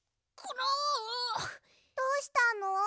どうしたの？